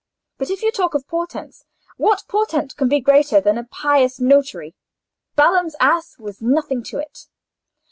"But if you talk of portents, what portent can be greater than a pious notary? Balaam's ass was nothing to it."